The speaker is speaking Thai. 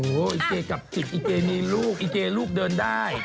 โอ้โฮเก๋กับจิตเก๋มีลูกเก๋ลูกเดินได้